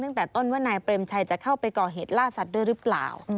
ตั้งแต่ต้นว่านายเปรมชัยจะเข้าไปก่อเหตุล่าสัตว์ด้วยหรือเปล่า